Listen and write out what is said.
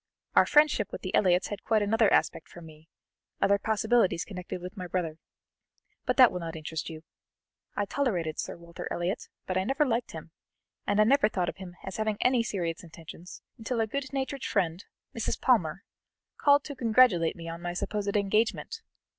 Our friendship with the Elliots had quite another aspect for me, other possibilities connected with my brother but that will not interest you. I tolerated Sir Walter Elliot, but I never liked him, and I never thought of him as having any serious intentions, until a good natured friend, Mrs. Palmer, called to congratulate me on my supposed engagement.